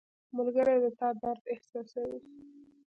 • ملګری د تا درد احساسوي.